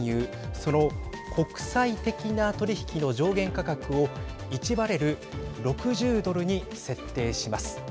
その国際的な取り引きの上限価格を１バレル６０ドルに設定します。